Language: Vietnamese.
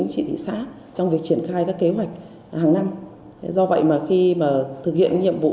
chị thị xã trong việc triển khai các kế hoạch hàng năm do vậy mà khi mà thực hiện nhiệm vụ